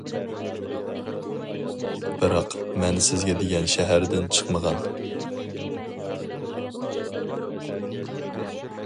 — بىراق، مەن سىز دېگەن شەھەردىن چىقمىغان.